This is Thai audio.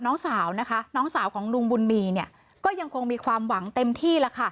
น้องสาวนะคะน้องสาวของลุงบุญมีเนี่ยก็ยังคงมีความหวังเต็มที่แล้วค่ะ